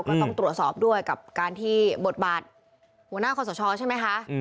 ก็ต้องตรวจสอบด้วยกับการที่บทบาทหัวหน้าคอสชใช่ไหมคะ